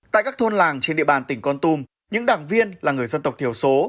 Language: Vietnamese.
tại các thôn làng trên địa bàn tỉnh con tum những đảng viên là người dân tộc thiểu số